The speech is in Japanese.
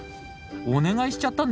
お願いしちゃったんですね。